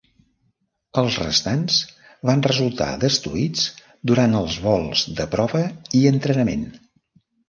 Els restants van resultar destruïts durant els vols de prova i entrenament.